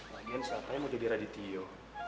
lagian saya apa yang mau jadi radityo